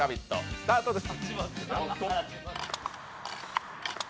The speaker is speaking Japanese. スタートです。